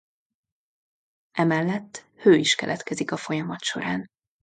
Emellett hő is keletkezik a folyamat során.